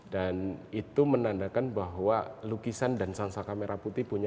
dan itu menandakan bahwa lukisan dan sangsaka merah putih punya